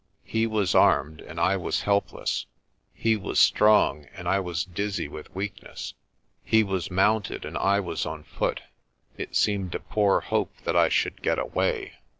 He was armed and I was helpless; he was strong and I was dizzy with weakness; he was mounted and I was on foot: it seemed a poor hope that I should get away.